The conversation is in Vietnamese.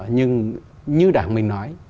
nhưng như đảng mình nói